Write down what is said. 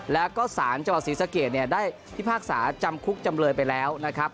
แล้วก็สารจับศรีสะเกดเนี่ยได้ที่ภาคศาสตร์จำคุกจำเลยไปแล้วนะครับ